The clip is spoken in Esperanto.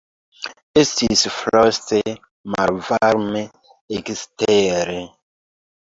Estis froste malvarme ekstere.